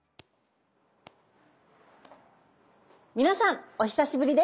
皆さんお久しぶりです。